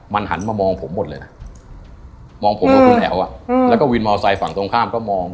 มันหันมามองผมหมดเลยนะมองผมกับคุณแอ๋วแล้วก็วินมอไซค์ฝั่งตรงข้ามก็มอง